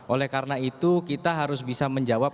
oleh karena itu kita harus bisa menjawab